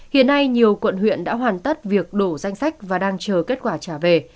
hiện nay nhiều quận huyện đã hoàn tất việc đổ danh sách và đang chờ kết quả trả về